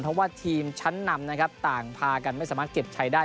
เพราะว่าทีมชั้นนำนะครับต่างพากันไม่สามารถเก็บใช้ได้